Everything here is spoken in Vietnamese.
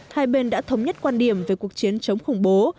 hai bên đã thống nhất quan điểm về cuộc chiến chống khủng bố